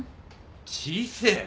小せえ？